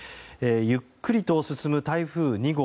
ゆっくりと進む台風２号。